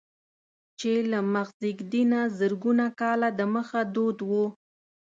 چې له مخزېږدي نه زرګونه کاله دمخه دود و.